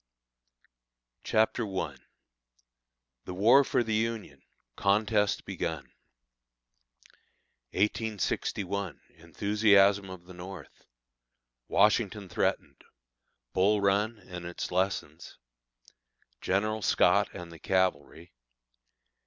CHAPTER I. THE WAR FOR THE UNION. CONTEST BEGUN. 1861. Enthusiasm of the North. Washington Threatened. Bull Run, and Its Lessons. General Scott and the Cavalry.